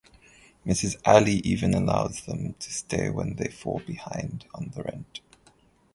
Mrs. Alley even allows them to stay when they fall behind on the rent.